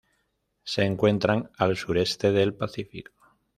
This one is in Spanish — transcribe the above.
Se encuentran al sureste del Pacífico.